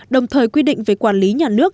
đồng thời quy định về quản lý nhà nước